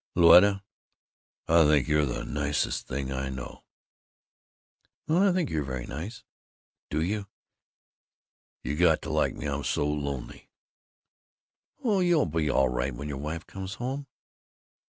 "Louetta! I think you're the nicest thing I know!" "Well, I think you're very nice." "Do you? You got to like me! I'm so lonely!" "Oh, you'll be all right when your wife comes home."